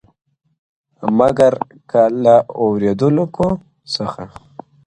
• مګر که له اورېدونکو څخه -